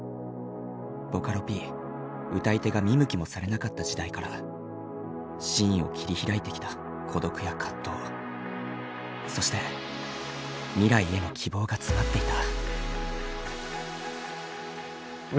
ボカロＰ歌い手が見向きもされなかった時代からシーンを切り開いてきた孤独や葛藤そして未来への希望が詰まっていた。